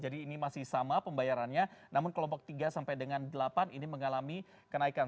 jadi ini masih sama pembayarannya namun kelompok tiga sampai dengan delapan ini mengalami kenaikan